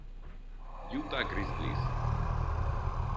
Utah Grizzlies